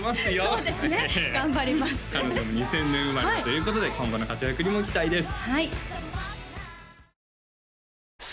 そうですね頑張ります彼女も２０００年生まれだということで今後の活躍にも期待です